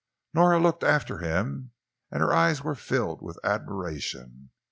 Nora looked after him, and her eyes were filled with admiration.